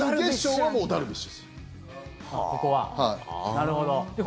なるほど。